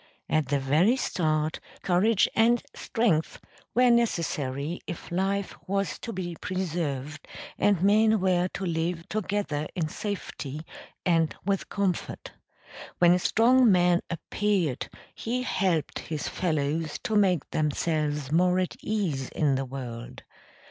At the very start courage and strength were necessary if life was to be preserved and men were to live together in safety and with comfort. When a strong man appeared he helped his fellows to make themselves more at ease in the world.